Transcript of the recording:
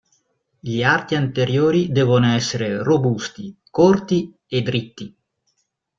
Gli arti anteriori devono essere robusti, corti e dritti.